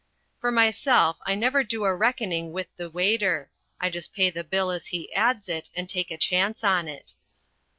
For myself I never do a reckoning with the waiter. I just pay the bill as he adds it, and take a chance on it.